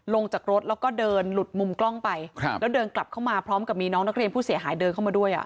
ลงจากรถแล้วก็เดินหลุดมุมกล้องไปแล้วเดินกลับเข้ามาพร้อมกับมีน้องนักเรียนผู้เสียหายเดินเข้ามาด้วยอ่ะ